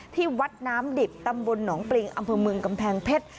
ที่วัดน้ำดิบตำบลหนองปริงอำเภอเมืองกำแพงเพชร